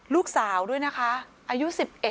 ลูกสาวด้วยนะคะอายุ๑๑